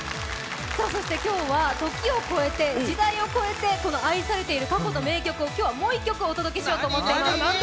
そして今日は時を越えて、時代を超えて愛されている過去の名曲をもう１曲お届けしようと思っています。